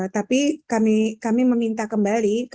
tapi kami meminta kembali